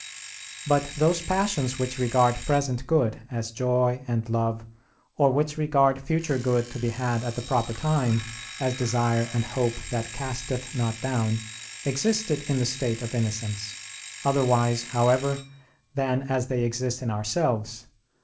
But those passions which regard present good, as joy and love; or which regard future good to be had at the proper time, as desire and hope that casteth not down, existed in the state of innocence; otherwise, however, than as they exist in ourselves.